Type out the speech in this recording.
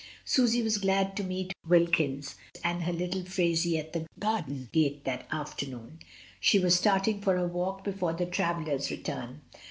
Susy was glad to meet Wilkins and her little Phraisie at the garden gate that afternoon. She was starting for her walk before the travellers' re turn.